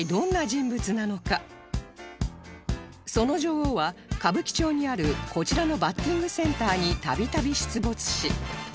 その女王は歌舞伎町にあるこちらのバッティングセンターに度々出没し